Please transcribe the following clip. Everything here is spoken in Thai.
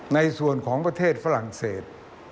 ในส่วนของประเทศฝรั่งเศส